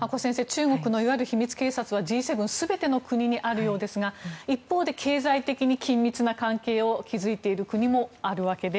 中国のいわゆる秘密警察はＧ７全ての国にあるようですが一方で経済的に緊密な関係を築いている国もあるわけで。